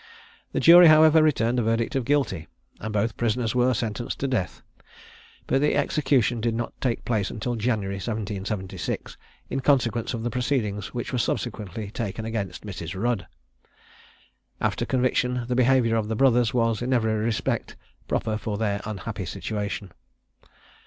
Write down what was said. The jury, however, returned a verdict of guilty, and both prisoners were sentenced to death; but the execution did not take place until January 1776, in consequence of the proceedings which were subsequently taken against Mrs. Rudd. After conviction the behaviour of the brothers was, in every respect, proper for their unhappy situation.